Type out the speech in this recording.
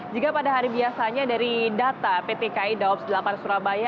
jika pada hari biasanya dari data ptki dawab delapan surabaya